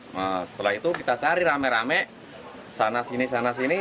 nah setelah itu kita cari rame rame sana sini sana sini